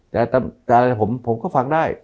แต่ผมก็ฟังได้